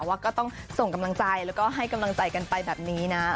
ว่าก็ต้องส่งกำลังใจแล้วก็ให้กำลังใจกันไปแบบนี้นะ